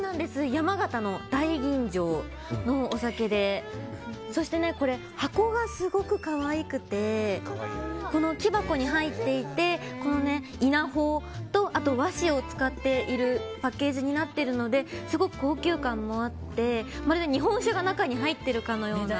山形の大吟醸のお酒でそして、箱がすごい可愛くて木箱に入っていて稲穂と和紙を使っているパッケージになっているのですごく高級感もあってまるで日本酒が中に入ってるかのような。